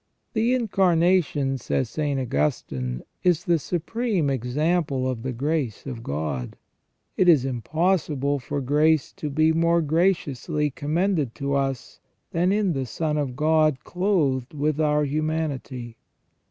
" The Incarnation," says St. Augustine, " is the supreme example of the grace of God ; it is impossible for grace to be more graciously commended to us than in the Son of God clothed with our humanity."